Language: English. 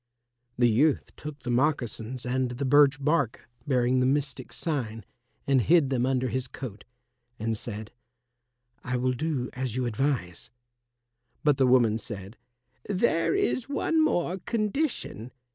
The youth took the moccasins and the birch bark bearing the mystic sign and hid them under his coat, and said, "I will do as you advise." But the woman said, "There is one more condition.